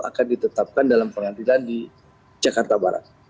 akan ditetapkan dalam pengadilan di jakarta barat